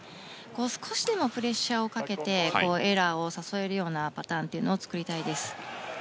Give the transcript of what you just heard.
少しでもプレッシャーをかけてエラーを誘えるようなパターンを作りたいです。